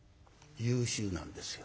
優秀なんですよ。